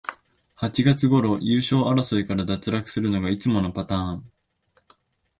八月ごろに優勝争いから脱落するのがいつものパターン